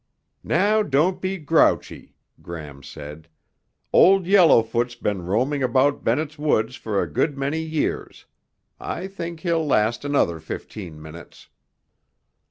"Now don't be grouchy," Gram said. "Old Yellowfoot's been roaming about Bennett's Woods for a good many years. I think he'll last another fifteen minutes."